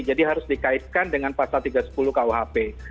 jadi harus dikaitkan dengan pasal tiga ratus sepuluh kuhp